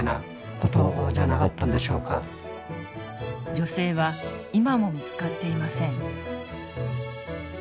女性は今も見つかっていません。